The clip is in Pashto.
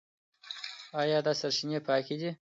ايا دا سرچينې پاکي دي؟